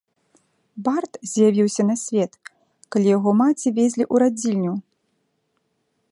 Бард з'явіўся на свет, калі яго маці везлі ў радзільню.